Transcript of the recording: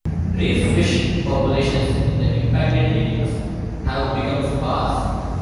Reef fish populations in the impacted areas have become sparse.